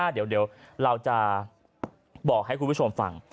เดี๋ยวเราจะบอกให้คุณผู้ชมฟัง